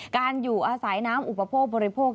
อยู่อาศัยน้ำอุปโภคบริโภค